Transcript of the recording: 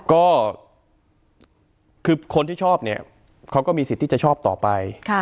ก็คือคนที่ชอบเนี่ยเขาก็มีสิทธิ์ที่จะชอบต่อไป